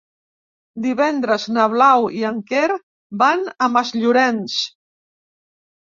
Divendres na Blau i en Quer van a Masllorenç.